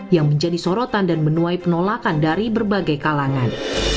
yang menjadi sorotan dan menuai penolakan dari berbagai kalangan